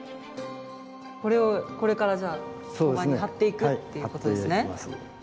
これをこれからじゃあ陶板に貼っていくっていうことですね。